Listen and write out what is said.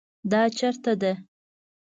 دا چیرته ده؟